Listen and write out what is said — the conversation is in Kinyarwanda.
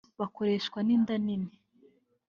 bakoreshwa n’inda nini